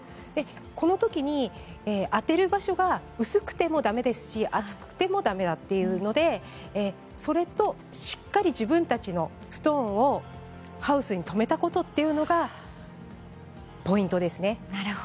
この時に当てる場所が薄くてもだめですし厚くてもだめだというのでそれとしっかり自分たちのストーンをハウスに止めたことっていうのがポイントですね。